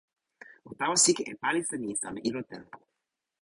o tawa sike e palisa ni sama ilo tenpo.